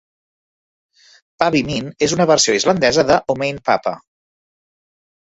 "Pabbi minn" és una versió islandesa de "O Mein Papa".